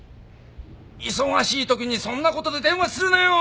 忙しいときにそんなことで電話するなよ！